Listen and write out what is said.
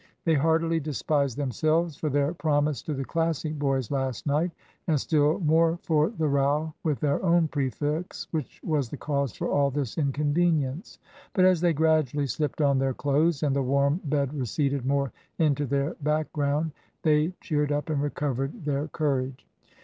They heartily despised themselves for their promise to the Classic boys last night, and still more for the row with their own prefects, which was the cause for all this inconvenience. But as they gradually slipped on their clothes, and the warm bed receded more into the background, they cheered up and recovered their courage.